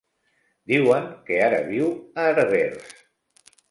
Diuen que ara viu a Herbers.